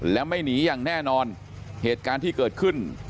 และไม่หนีอย่างแน่นอนเหตุการณ์ที่เกิดขึ้น